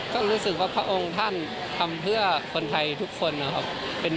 ก็รู้สึกว่าพระองค์ท่านทำเพื่อคนไทยทุกคนนะครับ